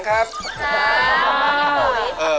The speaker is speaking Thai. พี่ปุ๋อี